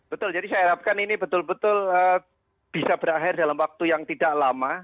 betul jadi saya harapkan ini betul betul bisa berakhir dalam waktu yang tidak lama